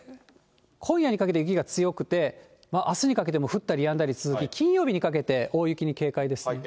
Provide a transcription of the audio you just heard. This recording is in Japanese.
今夜にかけて雪が強くて、あすにかけても降ったりやんだり続いて、金曜日にかけて大雪に警戒です。